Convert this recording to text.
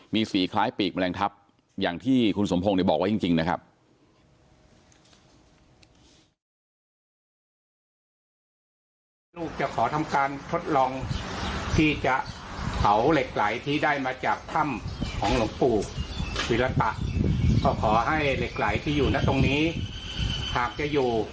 มีสีคล้ายปีกแมลงทัพอย่างที่คุณสมโพงเดียวบอกว่าจริงจริงนะครับ